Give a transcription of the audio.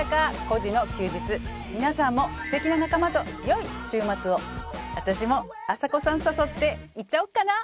コジの休日皆さんもステキな仲間と良い週末を私もあさこさん誘って行っちゃおっかな